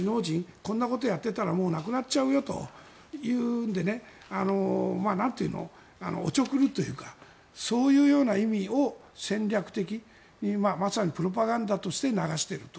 こんなことをやっていたらもうなくなっちゃうよというのでおちょくるというかそういう意味を戦略的にまさにプロパガンダとして流していると。